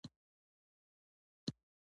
کوم اسلامه خبرې کوې.